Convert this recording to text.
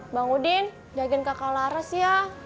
mbak udin jagain kakak laras ya